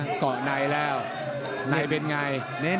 เปิดเลยนะก่อในแล้วในเป็นไง